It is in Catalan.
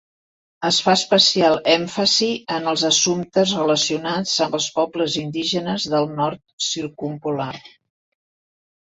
Es fa especial èmfasi en els assumptes relacionats amb els pobles indígenes del Nord Circumpolar.